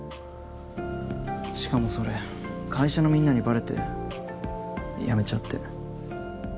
しかもそれ会社のみんなにバレて辞めちゃって。